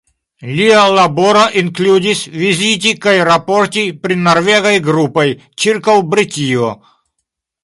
Lia laboro inkludis viziti kaj raporti pri norvegaj grupoj ĉirkaŭ Britio.